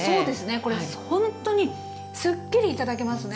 これほんとにすっきり頂けますね。